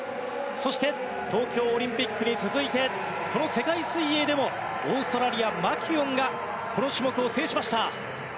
そして東京オリンピックに続いてこの世界水泳でもオーストラリア、マキュオンがこの種目を制しました。